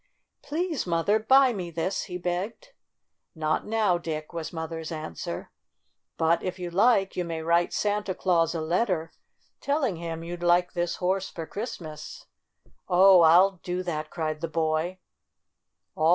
Please, Mother, buy me this!" he begged. "Not now, Dick," was Mother's answer. "But, if you like, you may write Santa Claus a letter telling him you'd like this horse for Christmas." "Oh, I'll do that!" cried the boy.